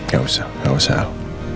ya gak usah gak usah